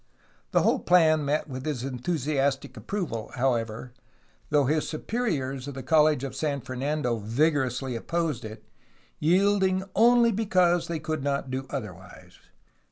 The whole plan met with his enthusiastic approval, however, though his superiors of the College of San Fernando vigorously opposed it, yielding only because they could not do otherwise.